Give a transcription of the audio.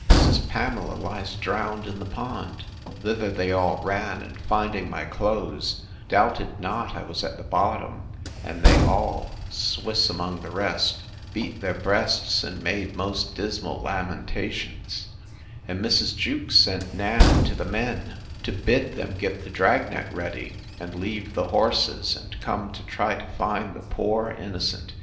—Mrs. Pamela lies drowned in the pond. Thither they all ran; and finding my clothes, doubted not I was at the bottom; and they all, Swiss among the rest, beat their breasts, and made most dismal lamentations; and Mrs. Jewkes sent Nan to the men, to bid them get the drag net ready, and leave the horses, and come to try to find the poor innocent!